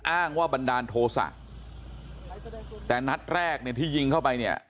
อ้างว่าบันดาลโทษะแต่นัดแรกเนี่ยที่ยิงเข้าไปเนี่ย